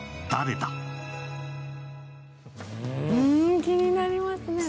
気になりますね。